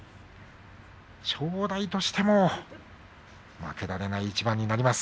正代としても負けられない一番になります。